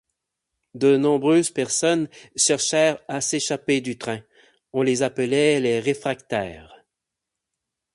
De nombreuses personnes cherchèrent à s’échapper du train, on les appelait les réfractaires.